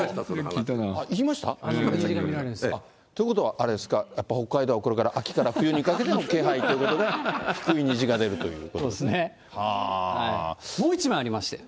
聞きました？ということはあれですか、北海道はやっぱりこれから秋から冬にかけての気配ということで、低い虹が出るということですね。